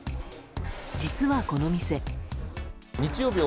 実はこの店。